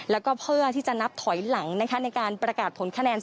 แล้วก็เพื่อที่จะนับถอยหลังในการประกาศผลคะแนน